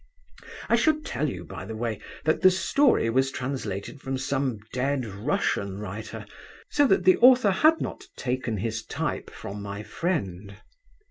I should tell you, by the way, that the story was translated from some dead Russian writer, so that the author had not taken his type from my friend.